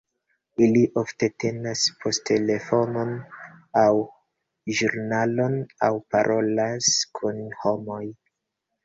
Ili ofte tenas poŝtelefonon, aŭ ĵurnalon, aŭ parolas kun homoj.